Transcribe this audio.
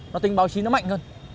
nó tính báo chí nó mạnh hơn